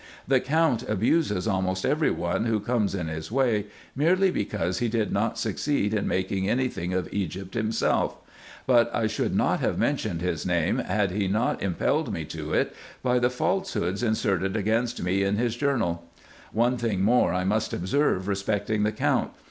The Count abuses almost every one who comes in his way, merely because he did not succeed in making any thing of Egypt himself; but I should not have mentioned his name, had he not impelled me to it by the falsehoods inserted against me in his journal. One thing more I must observe respecting the Count.